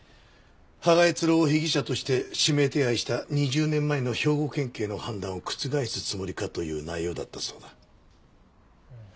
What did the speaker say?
芳賀悦郎を被疑者として指名手配した２０年前の兵庫県警の判断を覆すつもりかという内容だったそうだ。